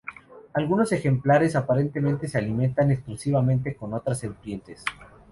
Algunos ejemplares, aparentemente se alimentan exclusivamente con otras serpientes.